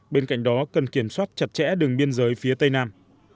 bên cạnh đó cần kiểm soát chặt chẽ đường biên giới phía tây nam